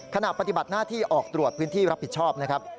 ขณะปฏิบัติหน้าที่ออกตรวจพื้นที่รับผิดชอบนะครับ